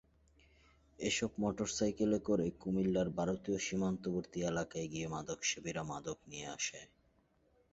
এসব মোটরসাইকেলে করে কুমিল্লার ভারতীয় সীমান্তবর্তী এলাকায় গিয়ে মাদকসেবীরা মাদক নিয়ে আসে।